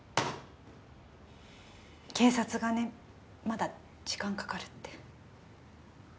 警察がねまだ時間かかるって。